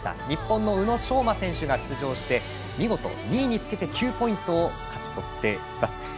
日本の宇野昌磨選手が出場して見事２位につけて９ポイントを勝ち取っています。